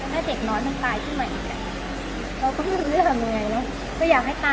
ถ้าเด็กน้อยถ้าตายที่ไหน